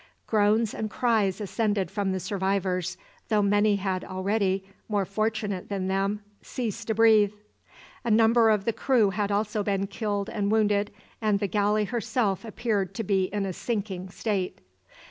Groans and cries ascended from the survivors, though many had already, more fortunate than them, ceased to breathe. A number of the crew had also been killed and wounded, and the galley herself appeared to be in a sinking state.